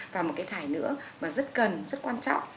và một cái thái nữa mà rất cần rất quan trọng